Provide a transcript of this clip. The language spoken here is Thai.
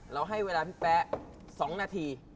ให้เวลาพี่แป๊ะ๒นาที